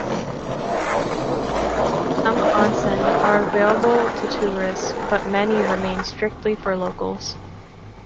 Some "onsen" are available to tourists, but many remain strictly for locals.